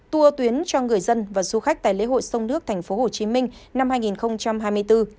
tour tuyến cho người dân và du khách tại lễ hội sông nước tp hcm năm hai nghìn hai mươi bốn